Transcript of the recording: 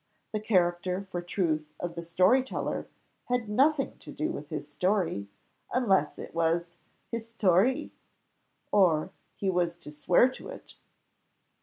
The character for truth of the story teller had nothing to do with his story, unless it was historique, or that he was to swear to it.